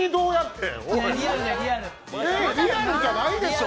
えー、リアルじゃないでしょう？